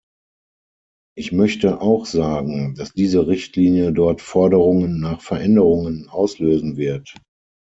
Ich möchte auch sagen, dass diese Richtlinie dort Forderungen nach Veränderungen auslösen wird.